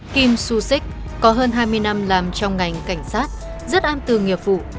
kim su sik có hơn hai mươi năm làm trong ngành cảnh sát rất am tư nghiệp vụ